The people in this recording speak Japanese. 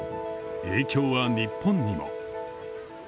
影響は日本にも。